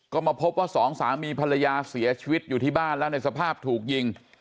ก็มาพบว่าสองสามีภรรยาเสียชีวิตอยู่ที่บ้านแล้วในสภาพถูกยิง